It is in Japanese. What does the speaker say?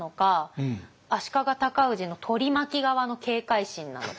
足利尊氏の取り巻き側の警戒心なのか。